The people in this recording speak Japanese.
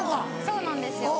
そうなんですよ。